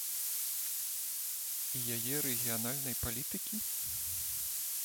І яе рэгіянальнай палітыкі?